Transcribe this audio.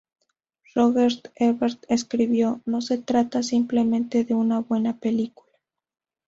Roger Ebert escribió: "No se trata simplemente de una buena película.